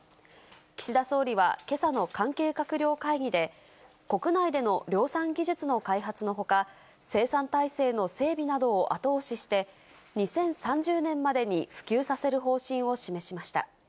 岸田総理はけさの関係閣僚会議で、国内での量産技術の開発のほか、生産体制の整備などを後押しして、２０３０年までに普及させる方針を示しました。